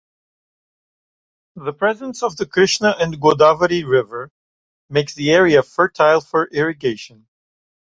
The presence of the Krishna and Godavari River makes the area fertile for irrigation.